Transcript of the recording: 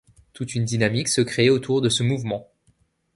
Toute une dynamique se crée autour de ce mouvement.